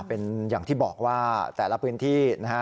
เป็นอย่างที่บอกว่าแต่ละพื้นที่นะฮะ